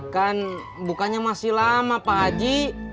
kan bukannya masih lama pak haji